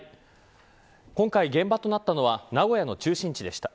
今回現場となったのは名古屋の中心地でした。